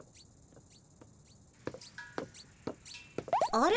あれ？